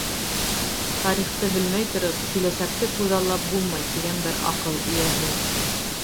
Тарихты белмәй тороп, киләсәкте күҙаллап булмай, тигән бер аҡыл эйәһе.